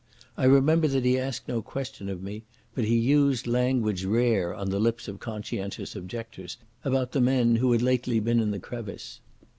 I remember that he asked no question of me, but he used language rare on the lips of conscientious objectors about the men who had lately been in the crevice.